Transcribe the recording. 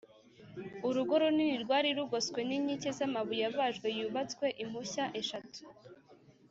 Urugo runini rwari rugoswe n’inkike z’amabuye abajwe yubatswe impushya eshatu